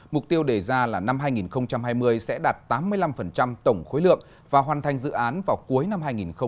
mục tiêu đề ra là năm hai nghìn hai mươi sẽ đạt tám mươi năm tổng khối lượng và hoàn thành dự án vào cuối năm hai nghìn hai mươi một